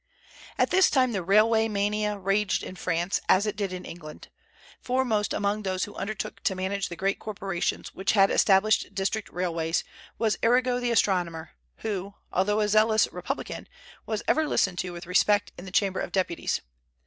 At this time the railway mania raged in France, as it did in England. Foremost among those who undertook to manage the great corporations which had established district railways, was Arago the astronomer, who, although a zealous Republican, was ever listened to with respect in the Chamber of Deputies.